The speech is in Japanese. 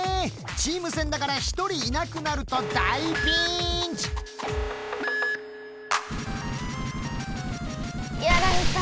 チーム戦だから１人いなくなると大ピンチ！やられた。